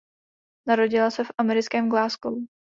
Narodila se v americkém Glasgow.